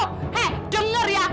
he dengar ya